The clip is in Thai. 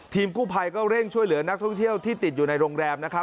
กู้ภัยก็เร่งช่วยเหลือนักท่องเที่ยวที่ติดอยู่ในโรงแรมนะครับ